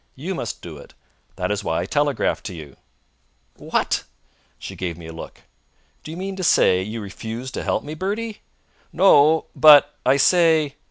You must do it. That is why I telegraphed to you." "What!" She gave me a look. "Do you mean to say you refuse to help me, Bertie?" "No; but I say!"